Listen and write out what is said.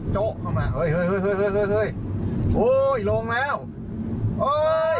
โจ๊กเข้ามาเฮ้ยเฮ้ยเฮ้ยเฮ้ยเฮ้ยเฮ้ย